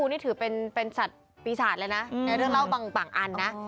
นี่ถือเป็นเป็นสัตว์ปีศาจแล้วนะในเรื่องเล่าป่างป่างอันนะ